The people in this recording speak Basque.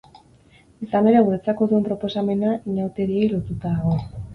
Izan ere guretzako duen proposamena, inauteriei lotuta dago.